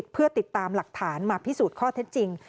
เพื่อติดตามหลักฐานมาพิสูจน์ข้อเท็จจริง